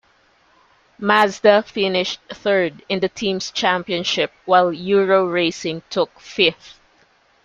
Mazda finished third in the team's championship while Euro Racing took fifth.